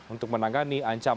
untuk menangani ancakan